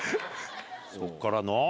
そっからの。